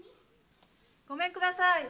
・ごめんください。